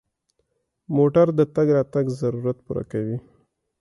موټر د تګ راتګ ضرورت پوره کوي.